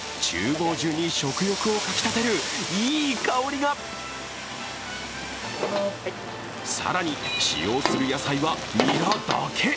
房中に食欲をかきたてるいい香りが更に使用する野菜はニラだけ。